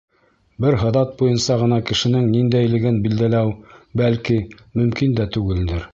Бер һыҙат буйынса ғына кешенең ниндәйлеген билдәләү, бәлки, мөмкин дә түгелдер.